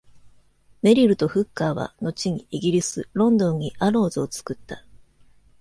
メリルとフッカーは後にイギリス、ロンドンにアローズを作った。